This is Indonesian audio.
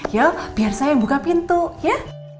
yuk biar saya yang buka pintu ya